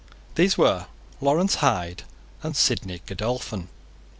These were Lawrence Hyde and Sidney Godolphin.